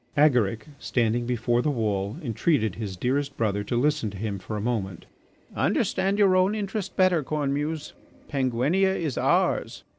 Agaric, standing before the wall, entreated his dearest brother to listen to him for a moment: "Understand your own interest better, Cornemuse! Penguinia is ours.